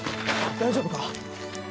大丈夫か。